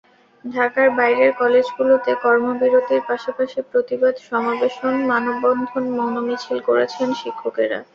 ঢাকার বাইরের কলেজগুলোতে কর্মবিরতির পাশাপাশি প্রতিবাদ সমাবেশ, মানববন্ধন, মৌন মিছিল করেছেন শিক্ষকেরা।